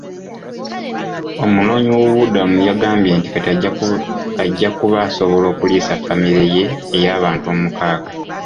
Omunoonyi w'obubuddamu yagambye kati ajja kuba asobola okuliisa famire ye eyabantu omukaaga.